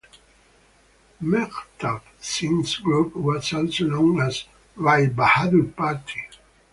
Mehtab Singh's group was also known as 'Rai Bahadur Party'.